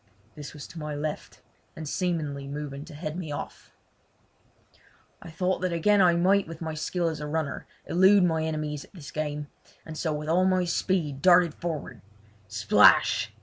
This was to my left, and seemingly moving to head me off. I thought that again I might with my skill as a runner elude my enemies at this game, and so with all my speed darted forward. Splash!